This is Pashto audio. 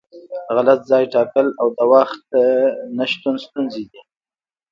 غلط ځای ټاکل او د وخت نشتون ستونزې دي.